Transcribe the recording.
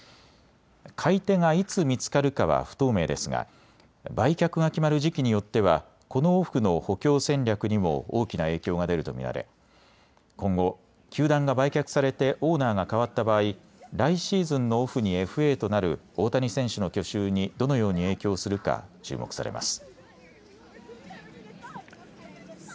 買い手がいつ見つかるかは不透明ですが売却が決まる時期によってはこのオフの補強戦略にも大きな影響が出ると見られ今後、球団が売却されてオーナーが替わった場合来シーズンのオフにＦＡとなる大谷選手の去就にどのように影響するか注目されます。